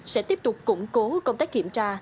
sẽ tiếp tục củng cố công tác kiểm tra